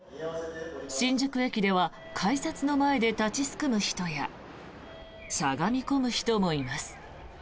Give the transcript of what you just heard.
新宿駅は改札の前で立ちすくむ人やしゃがみ込む人もいます。